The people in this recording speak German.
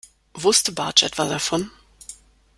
Wusste Bartsch etwa davon?